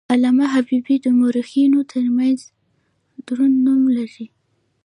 علامه حبیبي د مورخینو ترمنځ دروند نوم لري.